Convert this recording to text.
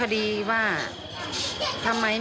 การรับความคิดเห็นของหมอปอค่ะ